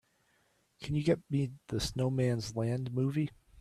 Can you get me the Snowman's Land movie?